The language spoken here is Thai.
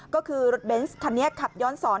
ก็คือรถเบนส์คันนี้ขับย้อนสอน